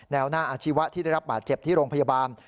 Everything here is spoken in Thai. หน้าอาชีวะที่ได้รับบาดเจ็บที่โรงพยาบาล